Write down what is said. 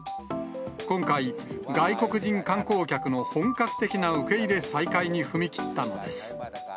今回、外国人観光客の本格的な受け入れ再開に踏み切ったのです。